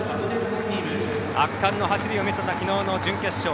圧巻の走りを見せたきのうの準決勝。